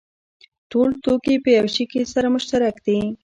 ټول توکي په یوه شي کې سره مشترک دي